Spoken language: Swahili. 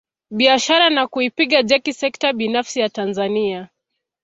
Biashara na kuipiga jeki sekta binafsi ya Tanzania